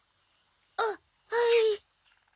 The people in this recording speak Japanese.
あっはい。